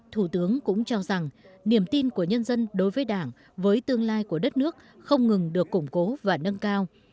thủ tướng cũng cho rằng niềm tin của nhân dân đối với đảng với tương lai của đất nước không ngừng được củng cố và nâng cao